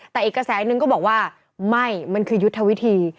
แต่อีกกระแสนึงก็บอกว่าไม่มันคือยุทธวิธี